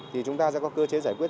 thì chúng ta sẽ có cơ chế giải quyết